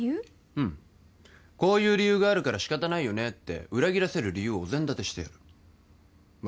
うんこういう理由があるから仕方ないよねって裏切らせる理由をお膳立てしてやるまあ